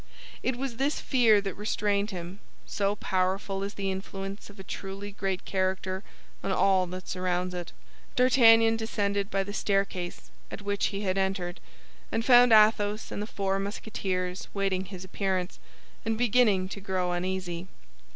It was this fear that restrained him, so powerful is the influence of a truly great character on all that surrounds it. D'Artagnan descended by the staircase at which he had entered, and found Athos and the four Musketeers waiting his appearance, and beginning to grow uneasy.